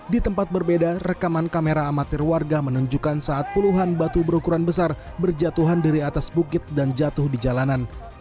di tempat berbeda rekaman kamera amatir warga menunjukkan saat puluhan batu berukuran besar berjatuhan dari atas bukit dan jatuh di jalanan